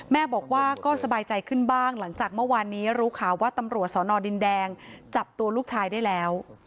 แม่บอกว่าก็สบายใจขึ้นบ้างหลังจากเมื่อวานนี้รู้ข่าวว่าตำรวจสอนอดินแดงจับตัวลูกชายได้แล้ว